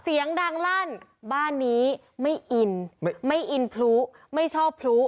เสียงดังลั่นบ้านนี้ไม่อินไม่อินพลุไม่ชอบพลุ